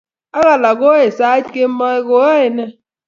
ak alak koae kasit kemboi koae ne?